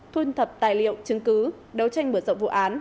thuân thập tài liệu chứng cứ đấu tranh bữa rộng vụ án